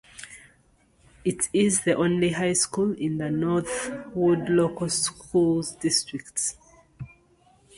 It is the only high school in the Northwood Local Schools district.